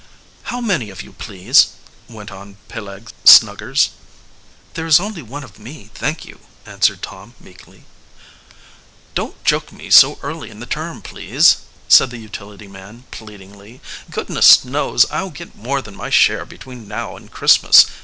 "How many of you, please?" went on Peleg Snuggers. "There is only one of me, thank you," answered Tom meekly. "Don't joke me so early in the term, please," said the utility man pleadingly. "Goodness knows, I'll get more than my share between now and Christmas.